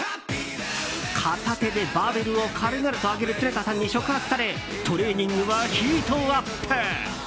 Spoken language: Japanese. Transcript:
片手でバーベルを軽々と上げる常田さんに触発されトレーニングはヒートアップ。